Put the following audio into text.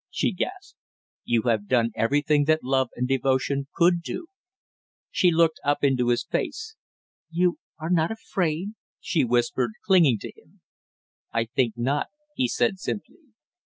she gasped. "You have done everything that love and devotion could do!" She looked up into his face. "You are not afraid?" she whispered, clinging to him. "I think not," he said simply.